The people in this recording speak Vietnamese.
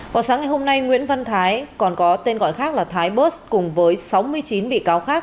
vào sáng ngày hôm nay nguyễn văn thái còn có tên gọi khác là thái bớt cùng với sáu mươi chín bị cáo khác